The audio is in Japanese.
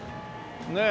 ねえ。